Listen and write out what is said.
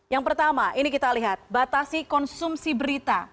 yang pertama ini kita lihat batasi konsumsi berita